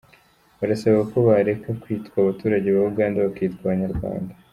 Barasaba ko bareka kwitwa abaturage ba Uganda bakitwa abanyarwanda.